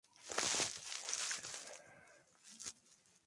Se le suele ver en grupos.